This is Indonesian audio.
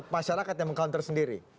masyarakat yang meng counter sendiri